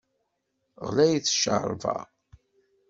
Ɣlayet cceṛba!